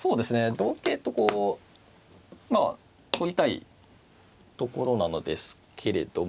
同桂とこうまあ取りたいところなのですけれども。